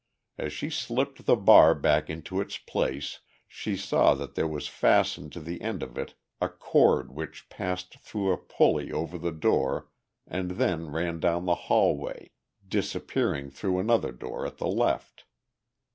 As she slipped the bar back into its place she saw that there was fastened to the end of it a cord which passed through a pulley over the door and then ran down the hallway, disappearing through another door at the left.